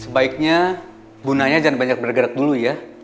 sebaiknya bu naya jangan banyak bergerak dulu ya